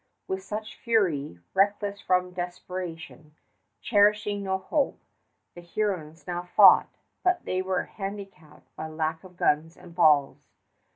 With such fury, reckless from desperation, cherishing no hope, the Hurons now fought, but they were handicapped by lack of guns and balls.